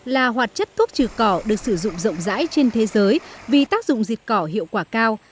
là hoạt chất thuốc trừ cỏ được sử dụng rộng rãi trên thế giới vì tác dụng dịch cỏ hiệu quả cao